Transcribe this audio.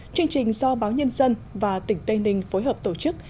chương trình do báo nhân dân và tỉnh tây ninh phối hợp tổ chức